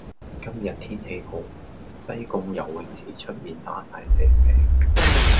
今日天氣好，西貢游泳池出面打晒蛇餅。